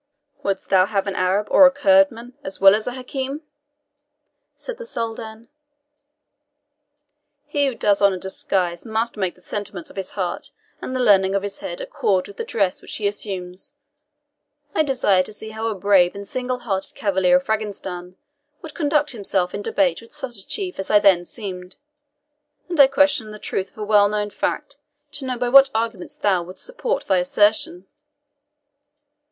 "Wouldst thou have an Arab or a Kurdman as wise as a Hakim?" said the Soldan. "He who does on a disguise must make the sentiments of his heart and the learning of his head accord with the dress which he assumes. I desired to see how a brave and single hearted cavalier of Frangistan would conduct himself in debate with such a chief as I then seemed; and I questioned the truth of a well known fact, to know by what arguments thou wouldst support thy assertion."